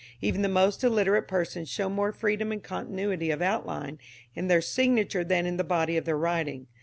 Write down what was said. Even the most illiterate persons show more freedom and continuity of outline in their signature than in the body of their writing.